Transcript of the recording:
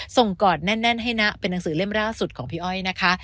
กอดแน่นให้นะเป็นหนังสือเล่มล่าสุดของพี่อ้อยนะคะ